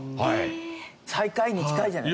最下位に近いじゃない。